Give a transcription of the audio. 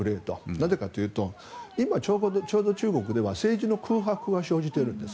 なぜかというと今、ちょうど中国では政治の空白が生じているんです。